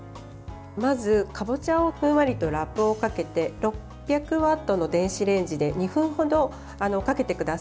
まず、かぼちゃをふんわりとラップをかけて６００ワットの電子レンジで２分程かけてください。